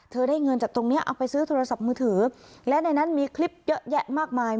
ได้เงินจากตรงนี้เอาไปซื้อโทรศัพท์มือถือและในนั้นมีคลิปเยอะแยะมากมาย